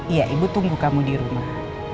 iya ibu tunggu kamu di rumah